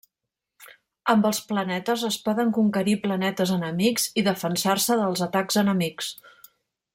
Amb els planetes es poden conquerir planetes enemics i defensar-se dels atacs enemics.